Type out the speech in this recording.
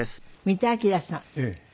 三田明さん